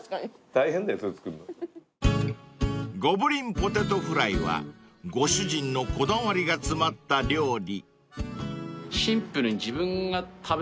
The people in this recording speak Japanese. ［ゴブリン・ポテトフライはご主人のこだわりが詰まった料理］